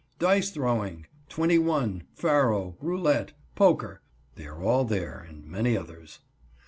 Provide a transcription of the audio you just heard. "Dice throwing," "21," "Faro," "Roulette," "Poker" they are all there, and many others.